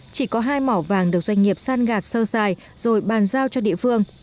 chỉ có hai mỏ vàng được doanh nghiệp san gạt sơ xài rồi bàn giao cho địa phương